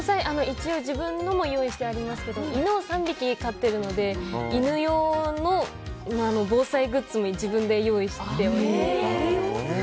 一応、自分のも用意してありますけど犬を３匹飼っていますので犬用の防災グッズも自分で用意して。